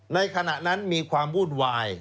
ในขณะนั้นมีความวุ่นวาย